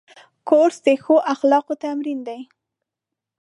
کورس د ښو اخلاقو تمرین دی.